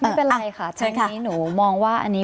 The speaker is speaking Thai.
ไม่เป็นไรค่ะทั้งนี้หนูมองว่า